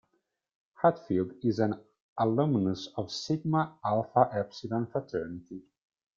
Hatfield is an alumnus of Sigma Alpha Epsilon fraternity.